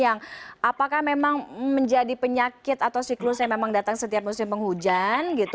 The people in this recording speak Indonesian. yang apakah memang menjadi penyakit atau siklus yang memang datang setiap musim penghujan